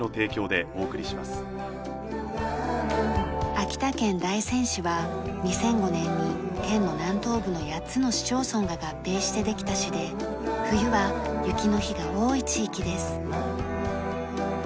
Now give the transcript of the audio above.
秋田県大仙市は２００５年に県の南東部の８つの市町村が合併してできた市で冬は雪の日が多い地域です。